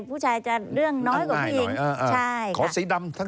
ผู้ชายจะเรื่องน้อยกว่าผู้หญิง